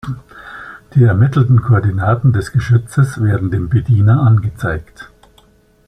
Die ermittelten Koordinaten des Geschützes werden dem Bediener angezeigt.